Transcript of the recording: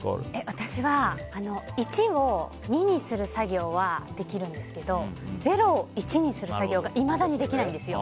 私は、１を２にする作業はできるんですけど０を１にする作業がいまだにできないんですよ。